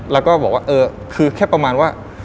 แล้วก็บอกว่าเออคือแค่ประมาณว่า